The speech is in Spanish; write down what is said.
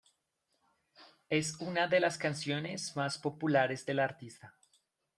Es una de las canciones más populares del artista.